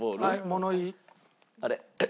「物言い」。